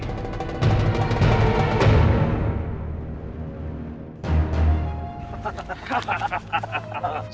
paman harus pergi